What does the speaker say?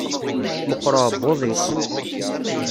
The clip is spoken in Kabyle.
Meqqer aɛebbuḍ-is.